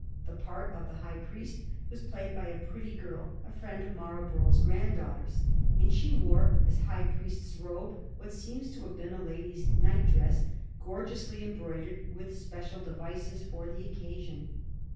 The part of the high priest was played by a pretty girl, a fiiend of Marlborough's granddaughters, and she wore as high priest's robe what seems to have been a lady's night dress gorgeously embroidered with special devices for the occasion.